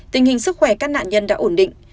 tình hình sức khỏe các nạn nhân đã ổn định